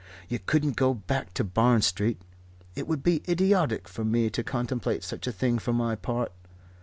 You couldn't go back to Barn Street. It would be idiotic for me to contemplate such a thing for my part.